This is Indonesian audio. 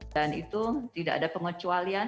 dan itu tidak ada pengecualian